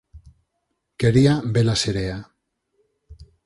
Quería ve-la serea.